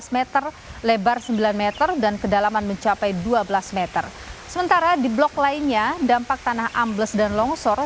lima belas meter lebar sembilan m dan kedalaman mencapai dua belas meter sementara di blok lainnya dampak tanah ambles dan longsor